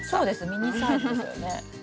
ミニサイズですよね。